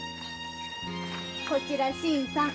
こちら新さん。